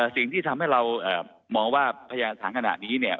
สิ่งที่ทำให้เรามองว่าพยายามสถานขณะนี้